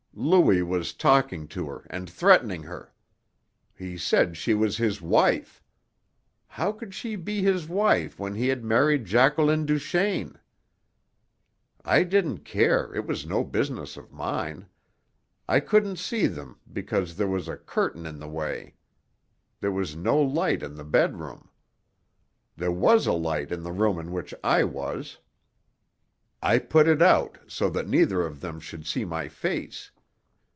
Louis was talking to her and threatening her. He said she was his wife. How could she be his wife when he had married Jacqueline Duchaine? "I didn't care it was no business of mine. I couldn't see them, because there was a curtain in the way. There was no light in the bedroom. There was a light in the room in which I was. I put it out, so that neither of them should see my face.